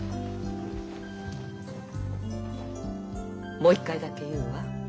もう一回だけ言うわ。